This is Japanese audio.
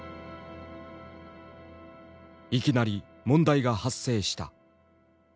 いきなり問題が発生した。